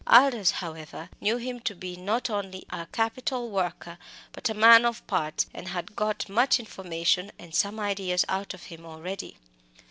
Aldous, however, knew him to be not only a capital worker, but a man of parts, and had got much information and some ideas out of him already.